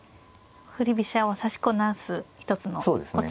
振り飛車を指しこなす一つのコツですね。